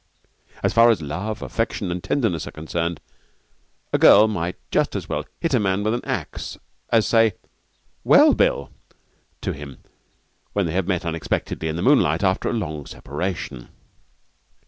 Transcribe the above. As far as love, affection, and tenderness are concerned, a girl might just as well hit a man with an axe as say 'Well, Bill?' to him when they have met unexpectedly in the moonlight after long separation.